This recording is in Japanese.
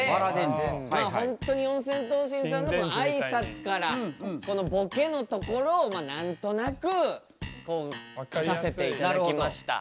まあほんとに四千頭身さんのあいさつからこのボケのところを何となくこう書かせて頂きました。